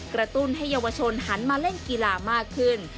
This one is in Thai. กระตุ้นให้เยาวชนหันมาเล่นกีฬามากขึ้น